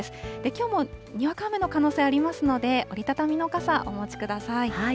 きょうもにわか雨の可能性ありますので、折り畳みの傘、お持ちください。